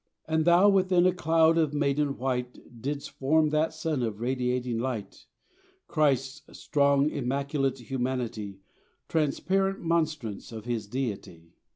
And Thou within a cloud of maiden white Didst form that sun of radiating light, Christ's strong immaculate humanity, Transparent monstrance of His Deity.